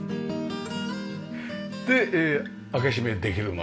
で開け閉めできる窓。